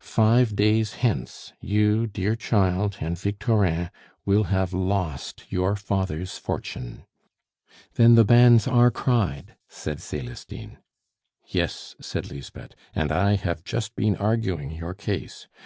Five days hence you, dear child, and Victorin will have lost your father's fortune." "Then the banns are cried?" said Celestine. "Yes," said Lisbeth, "and I have just been arguing your case.